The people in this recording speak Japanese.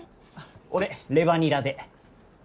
俺レバニラで。